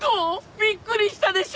びっくりしたでしょ？